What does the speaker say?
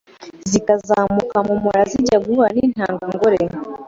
zikazamuka mu mura zijya guhura n’intangangore